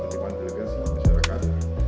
i pertimbangan delegasi masyarakat